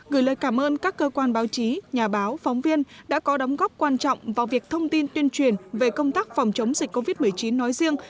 gửi lời cảm ơn các cơ quan báo chí nhà báo phóng viên đã có đóng góp quan trọng vào việc thông tin tuyên truyền về công tác phòng chống dịch covid một mươi chín nói riêng